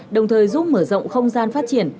đồng thời giúp mở rộng không gian phát triển